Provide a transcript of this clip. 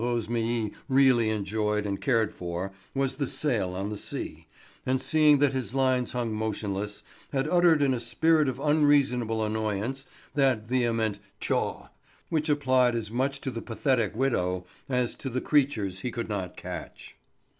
Rosémilly really enjoyed and cared for was the sail on the sea, and seeing that his lines hung motionless, had uttered in a spirit of unreasonable annoyance, that vehement "Tschah!" which applied as much to the pathetic widow as to the creatures he could not catch.